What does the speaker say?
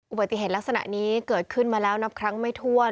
อุบัติเหตุลักษณะนี้เกิดขึ้นมาแล้วนับครั้งไม่ถ้วน